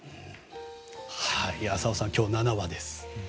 浅尾さん、今日７話です。